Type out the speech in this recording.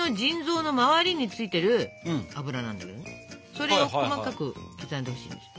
それを細かく刻んでほしいんですよ。